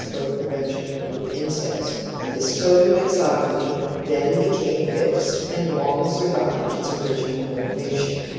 for the prevention of group incest ; and this /totem exogamy then became fixed and longi survived its original motivation.